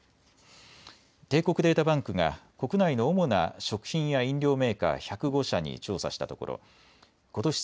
帝国データバンクが国内の主な食品や飲料メーカー１０５社に調査したところことし